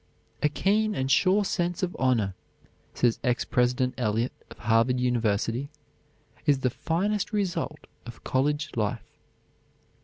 "A keen and sure sense of honor," says Ex President Eliot, of Harvard University, "is the finest result of college life."